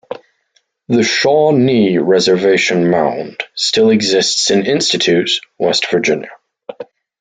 The Shawnee Reservation Mound still exists in Institute, West Virginia.